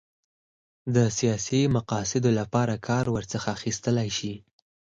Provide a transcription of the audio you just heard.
د سیاسي مقاصدو لپاره کار ورڅخه اخیستلای شي.